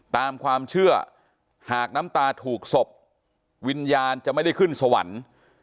ตามความเชื่อหากน้ำตาถูกศพวิญญาณจะไม่ได้ขึ้นสวรรค์